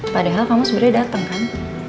padahal kamu sebenernya dateng kan